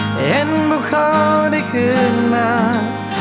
เห็นพวกเขาได้คืนมา